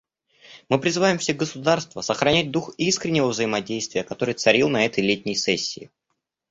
Мы призываем все государства сохранять дух искреннего взаимодействия, который царил на этой летней сессии.